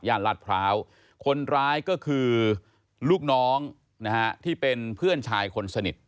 ลาดพร้าวคนร้ายก็คือลูกน้องนะฮะที่เป็นเพื่อนชายคนสนิท